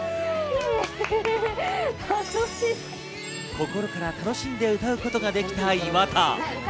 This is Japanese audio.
心から楽しんで歌うことができた岩田。